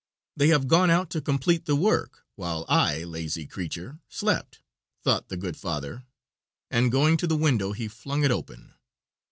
"They have gone out to complete the work, while I, lazy creature, slept," thought the good father, and going to the window he flung it open.